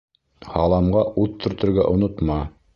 — Һаламға ут төртөргә онотма!